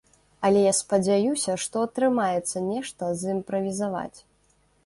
Але я спадзяюся, што атрымаецца нешта зымправізаваць.